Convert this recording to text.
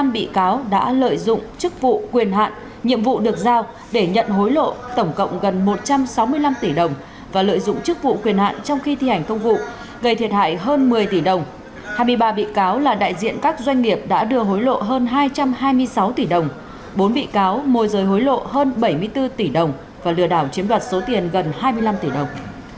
bốn bị cáo môi rơi hối lộ hơn bảy mươi bốn tỷ đồng và lừa đảo chiếm đoạt số tiền gần hai mươi năm tỷ đồng